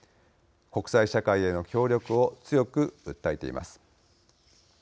国際社会への協力を強く訴えています。